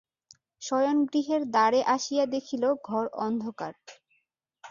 শয়নগৃহের দ্বারে আসিয়া দেখিল ঘর অন্ধকার।